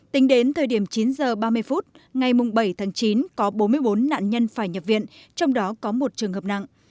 tính đến thời điểm chín h ba mươi phút ngày bảy tháng chín có bốn mươi bốn nạn nhân phải nhập viện trong đó có một trường hợp nặng